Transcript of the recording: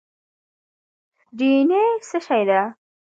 ډي این اې څه شی دی؟